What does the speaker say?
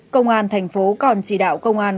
công an thành phố còn chỉ đạo công an